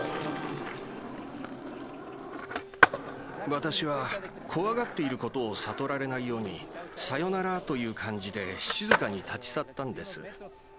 私は怖がっていることを悟られないように「さよなら」という感じで静かに立ち去ったんです。